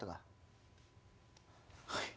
はい。